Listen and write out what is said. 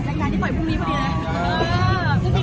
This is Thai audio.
เค้าก็สนใจยังไง